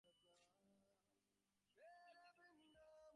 আমি এখন যাচ্ছি, তুমি ঘুমিয়ে পড়ো।